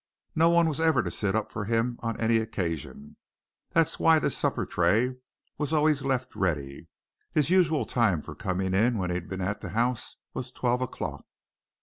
No one was ever to sit up for him on any occasion. That's why this supper tray was always left ready. His usual time for coming in when he'd been at the House was twelve o'clock."